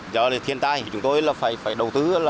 do thiên tai chúng tôi phải đầu tư